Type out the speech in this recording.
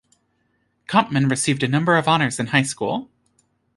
Kampman received a number of honors in high school.